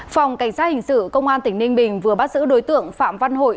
phòng cảnh sát hình sự công an tỉnh ninh bình vừa bắt giữ đối tượng phạm văn hội